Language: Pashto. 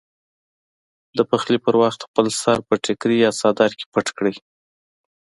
د پخلي پر وخت خپل سر په ټیکري یا څادر کې پټ کړئ.